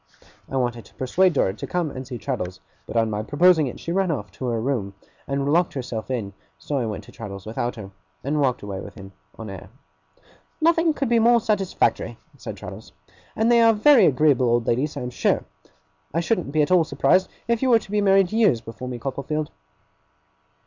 I wanted to persuade Dora to come and see Traddles, but on my proposing it she ran off to her own room and locked herself in; so I went to Traddles without her, and walked away with him on air. 'Nothing could be more satisfactory,' said Traddles; 'and they are very agreeable old ladies, I am sure. I shouldn't be at all surprised if you were to be married years before me, Copperfield.